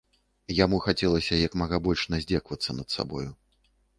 Яму хацелася як мага больш наздзекавацца над сабою.